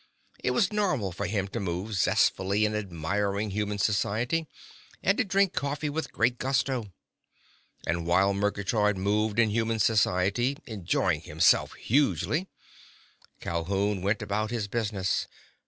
It was normal for him to move zestfully in admiring human society, and to drink coffee with great gusto. And while Murgatroyd moved in human society, enjoying himself hugely, Calhoun went about his business.